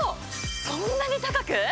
そんなに高く？